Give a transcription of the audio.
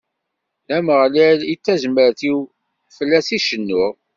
D Ameɣlal i d tazmert-iw, fell-as i cennuɣ.